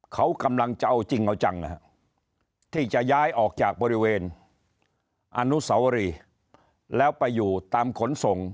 เขากำลังจะเอาจริงเอาจังที่จะย้ายออกจากบริเวณอนุสาวรีแล้วไปอยู่ตามขนส่ง